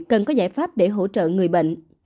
cần có giải pháp để hỗ trợ người bệnh